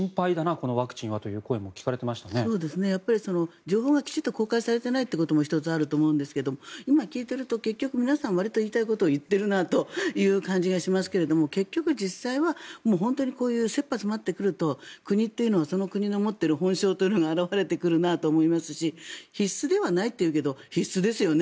このワクチンという声もやっぱり情報がきちんと公開されていないということも１つあると思うんですが今、聞いていると皆さん結局言いたいことを言っているなという感じがしますが結局実際はこういう切羽詰まってくると国というのはその国の持っている本性が表れてくるなと思いますし必須ではないといいますけど必須ですよね。